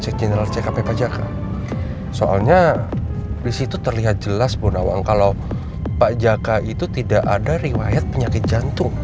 kenapa gak tempat lain aja